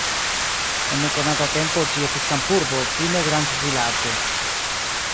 En nekonata tempo ĝi estis kampurbo, fine grandvilaĝo.